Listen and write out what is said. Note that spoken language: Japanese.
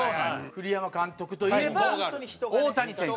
栗山監督といえば大谷選手。